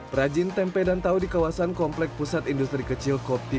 perajin tempe dan tahu di kawasan komplek pusat industri kecil kopi